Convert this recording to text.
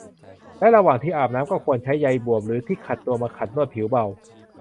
และระหว่างที่อาบน้ำก็ควรใช้ใยบวบหรือที่ขัดตัวมาขัดนวดผิวเบา